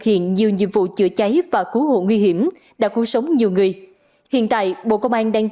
hiện nhiều nhiệm vụ chữa cháy và cứu hộ nguy hiểm đã cứu sống nhiều người hiện tại bộ công an đang